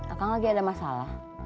akang lagi ada masalah